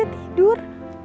ya kali dia tidur